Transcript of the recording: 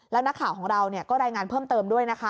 แล้วนักข่าวของเราก็รายงานเพิ่มเติมด้วยนะคะ